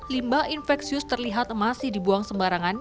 limbah infeksius terlihat masih dibuang sembarangan